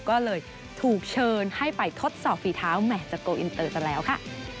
ก็เลยถูกเชิญให้ไปทดสอบฝีเท้าแห่จากโกอินเตอร์ซะแล้วค่ะ